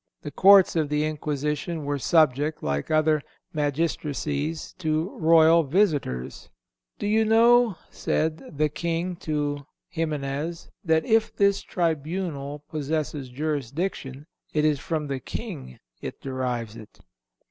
The courts of the Inquisition were subject, like other magistracies, to royal visitors. 'Do you not know,' said the King (to Ximenes), 'that if this tribunal possesses jurisdiction, it is from the King it derives it?